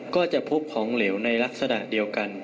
ก็จะพบของเหลวในลักษณะเดียวกัน